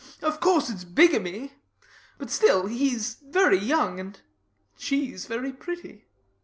Of course it's bigamy; but still he's very young; and she's very pretty.